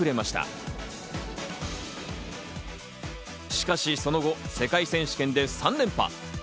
しかしその後、世界選手権で３連覇。